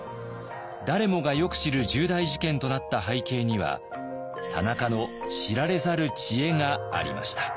誰もがよく知る重大事件となった背景には田中の知られざる知恵がありました。